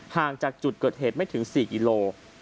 ห่างจากจุดเกิดเหตุไม่ถึง๔กิโล